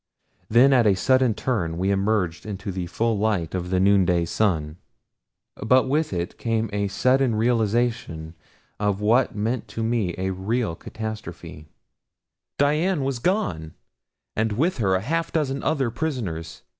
Then at a sudden turn we emerged into the full light of the noonday sun. But with it came a sudden realization of what meant to me a real catastrophe Dian was gone, and with her a half dozen other prisoners.